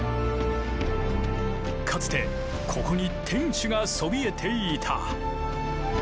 かつてここに天守がそびえていた。